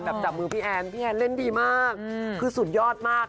จับมือพี่แอนพี่แอนเล่นดีมากคือสุดยอดมาก